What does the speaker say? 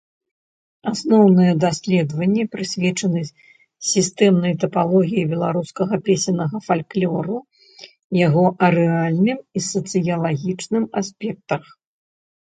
Асноўныя даследаванні прысвечаны сістэмнай тыпалогіі беларускага песеннага фальклору, яго арэальным і сацыялагічным аспектах.